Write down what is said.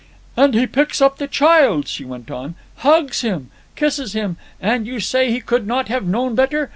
"And he picks up the child!" she went on. "Hugs him! Kisses him! And you say he could not have known better!